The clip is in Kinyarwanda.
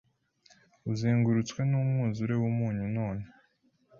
Uzengurutswe numwuzure wumunyu none